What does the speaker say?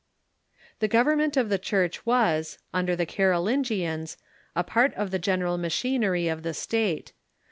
The government of the Church Avas, nnder the Carolingi ans, a part of the general machinery of the State.